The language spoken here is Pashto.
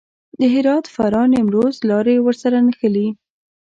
د هرات، فراه، نیمروز لارې ورسره نښلي.